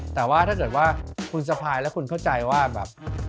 แต่ว่าถ้าเกิดว่าคุณสะพายแล้วคุณเข้าใจว่าแบบ